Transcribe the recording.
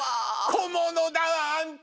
小物だわあんた。